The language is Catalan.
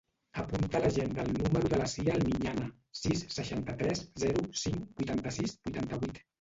Apunta a l'agenda el número de la Sia Almiñana: sis, seixanta-tres, zero, cinc, vuitanta-sis, vuitanta-vuit.